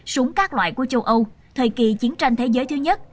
súng các loại của châu âu thời kỳ chiến tranh thế giới thứ nhất